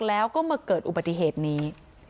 แล้วก็มาเกิดอุบัติเหตุนี้